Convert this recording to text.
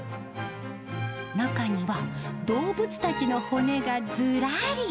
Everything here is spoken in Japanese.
中には、動物たちの骨がずらり。